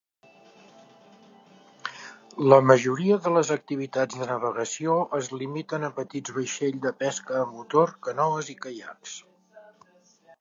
La majoria de les activitats de navegació es limiten a petits vaixell de pesca a motor, canoes i caiacs.